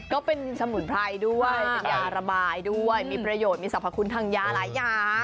ก็เป็นสมุนไพรด้วยเป็นยาระบายด้วยมีประโยชน์มีสรรพคุณทางยาหลายอย่าง